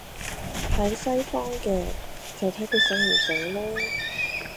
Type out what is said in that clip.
喺西方嘅，就睇佢醒唔醒囉